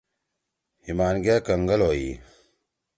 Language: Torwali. ہِیِمان گے کنگل ہوئی۔